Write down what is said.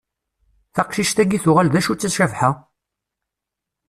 Taqcict-agi tuɣal d acu-tt a Cabḥa?